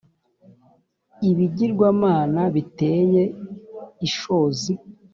ibigirwamana biteye ishozi